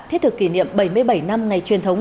thiết thực kỷ niệm bảy mươi bảy năm ngày truyền thống